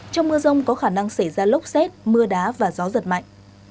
trong mưa rông có khả năng xảy ra lốc xét mưa đá và gió giật mạnh